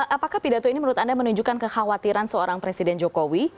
apakah pidato ini menurut anda menunjukkan kekhawatiran seorang presiden jokowi